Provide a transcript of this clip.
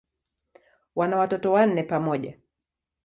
Wana watoto wanne pamoja.